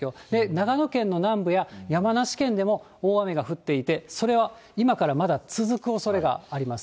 長野県の南部や山梨県でも大雨が降っていて、それは今からまだ続くおそれがあります。